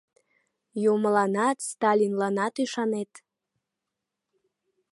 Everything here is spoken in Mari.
Юмыланат, Сталинланат ӱшанет.